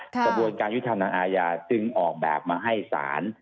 กระบวนการยุทธธรรมอาญาจึงออกแบบมาให้ศาล